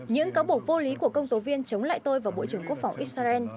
những cáo buộc vô lý của công tố viên chống lại tôi vào bộ trưởng quốc phòng israel